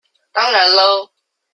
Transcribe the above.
當然囉